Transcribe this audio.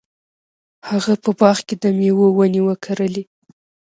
هغه په باغ کې د میوو ونې وکرلې.